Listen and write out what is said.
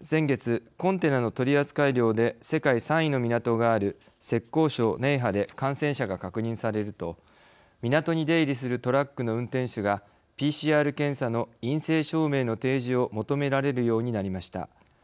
先月コンテナの取扱量で世界３位の港がある浙江省寧波で感染者が確認されると港に出入りするトラックの運転手がＰＣＲ検査の陰性証明の提示を求められるようになりました。